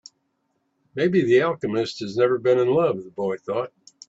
Maybe the alchemist has never been in love, the boy thought.